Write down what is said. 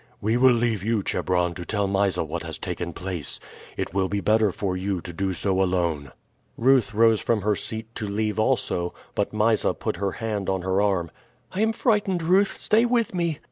"We will leave you, Chebron, to tell Mysa what has taken place. It will be better for you to do so alone." Ruth rose from her seat to leave also, but Mysa put her hand on her arm. "I am frightened, Ruth; stay with me."